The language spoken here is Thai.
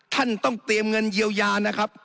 ท่านต้องเตรียมเงินเยียวยานะครับ